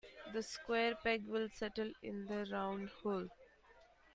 The square peg will settle in the round hole.